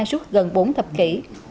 suốt gần bốn thập kỷ